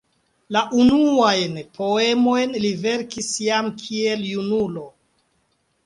La unuajn poemojn li verkis jam kiel junulo.